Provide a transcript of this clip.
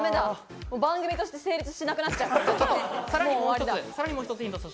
番組として成立しなくなっちゃう。